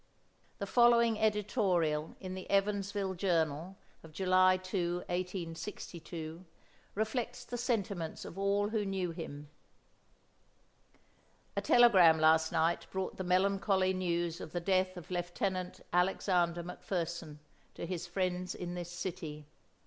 The following editorial in the "Evansville Journal" of July 2, 1862, reflects the sentiments of all who knew him: A telegram last night brought the melancholy news of the death of Lieutenant Alexander McFerson to his friends in this city.